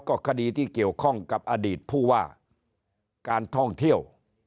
ก็คดีที่เกี่ยวข้องกับอดีตผู้ว่าการท่องเที่ยว